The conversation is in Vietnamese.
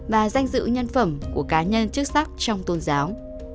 và danh dự nhân phẩm của cá nhân chức sắc trong tôn giáo